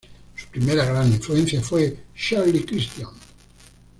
Su primera gran influencia fue Charlie Christian.